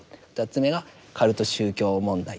２つ目がカルト宗教問題。